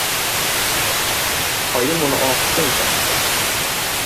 — Oyim uni ohista yupatdi.